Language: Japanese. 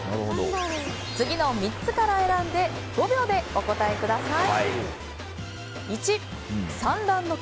次の３つから選んで５秒でお答えください。